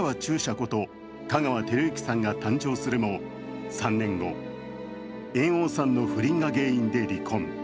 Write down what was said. こと香川照之さんが誕生するも３年後、猿翁さんの不倫が原因で離婚。